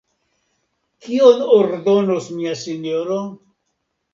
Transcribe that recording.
Kion ordonos mia sinjoro?